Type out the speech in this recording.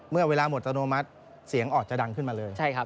เมื่อเวลาหมดอัตโนมัติเสียงออดจะดังขึ้นมาเลย